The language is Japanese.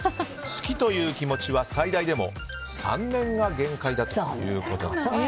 好きという気持ちは最大でも３年が限界だということです。